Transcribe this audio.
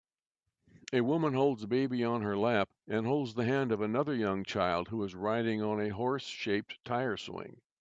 A woman holds a baby on her lap and holds the hand of another young child who is riding on a horseshaped tire swing